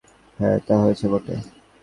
হ্যাঁ, তা হয়েছে বটে।